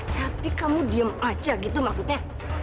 tapi kamu diem aja gitu maksudnya